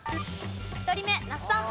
１人目那須さん。